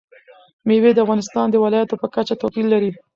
مېوې د افغانستان د ولایاتو په کچه توپیر لري.